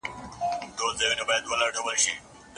د یوې پیښې لپاره چي یوازې یو ځل کیږي مه ډاریږئ.